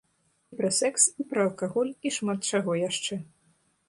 І пра секс, і пра алкаголь, і шмат чаго яшчэ.